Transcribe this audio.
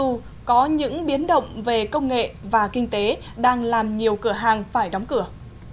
dù có những biến động về công nghệ và kinh tế đang làm nhiều cửa hàng phải đóng cửa